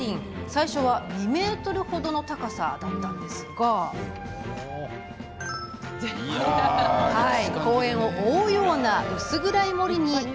最初は２ｍ程の高さだったんですが公園を覆うような薄暗い森に。